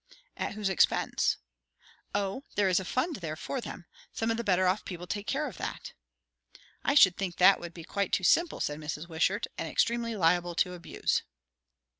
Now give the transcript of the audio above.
"At whose expense?" "O, there is a fund there for them. Some of the better off people take care of that." "I should think that would be quite too simple," said Mrs. Wishart, "and extremely liable to abuse."